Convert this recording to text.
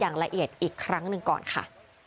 อย่างละเอียดอีกครั้งหนึ่งก่อนค่ะ